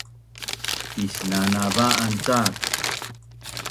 isnanava’an cak